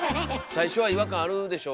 最初は違和感あるでしょうけど。